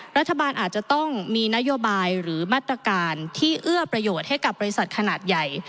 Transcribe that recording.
รัฐบาลอาจจะต้องมีนโยบายหรือมาตรการที่เอื้อประโยชน์ให้กับบริษัทขนาดใหญ่